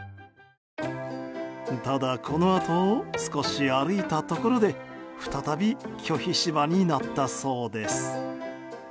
ただ、このあと少し歩いたところで再び拒否柴になったそうです。